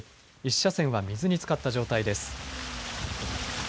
１車線は水につかった状態です。